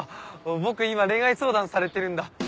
僕今恋愛相談されてるんだ。